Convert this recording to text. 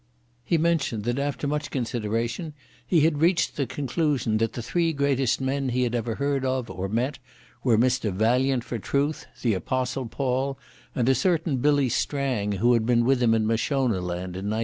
He mentioned that after much consideration he had reached the conclusion that the three greatest men he had ever heard of or met were Mr Valiant for Truth, the Apostle Paul, and a certain Billy Strang who had been with him in Mashonaland in '92.